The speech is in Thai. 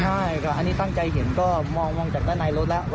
ใช่อันนี้ตั้งใจเห็นก็มองจากด้านในรถแล้ว